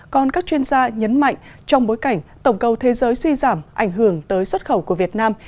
còn các chuyên gia nhấn mạnh trong bối cảnh tổng cầu thế giới suy giảm ảnh hưởng tới xuất khẩu của việt nam